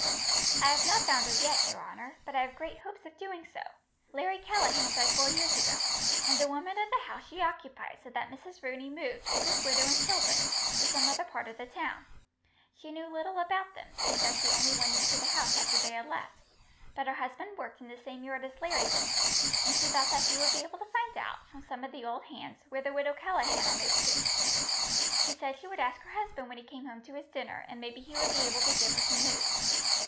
"I have not found her yet, your honour, but I have great hopes of doing so. Larry Callaghan died four years ago, and the woman of the house she occupied said that Mrs. Rooney moved, with his widow and children, to some other part of the town. She knew little about them, seeing that she only went into the house after they had left; but her husband worked in the same yard as Larry did, and she thought that he would be able to find out, from some of the old hands, where the widow Callaghan had moved to. She said she would ask her husband when he came home to his dinner, and maybe he would be able to give her some news.